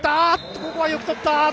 ここはよく止まった。